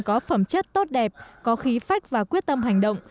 có phẩm chất tốt đẹp có khí phách và quyết tâm hành động